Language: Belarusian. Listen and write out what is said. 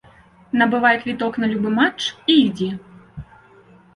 Набывай квіток на любы матч і ідзі.